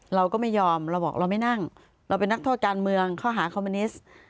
เราก็ไม่ยอมเราบอกเราไม่นั่งเราเป็นนักโทษการเมืองข้อหาคอมมิวนิสต์